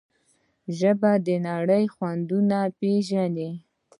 ژبه د نړۍ خوندونه پېژني.